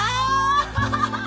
ハハハハ！